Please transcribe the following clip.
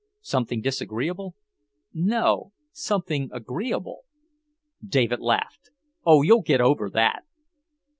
"Something disagreeable?" "No. Something agreeable." David laughed. "Oh, you'll get over that!"